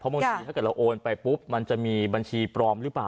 บางทีถ้าเกิดเราโอนไปปุ๊บมันจะมีบัญชีปลอมหรือเปล่า